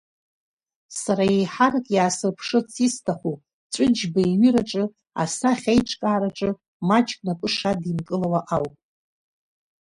Сара еиҳарак иаасырԥшырц исҭаху Ҵәыџьба иҩыраҿы асахьа аиҿкаараҿы маҷк напы шадимкылауа оуп.